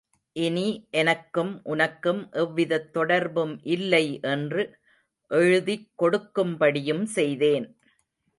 இனி எனக்கும் உனக்கும் எவ்விதத் தொடர்பும் இல்லை என்று எழுதிக் கொடுக்கும்படியும் செய்தேன்.